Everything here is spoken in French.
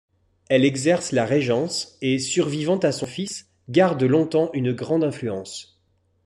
Elle exerce la régence, et survivant à son fils, garde longtemps une grande influence.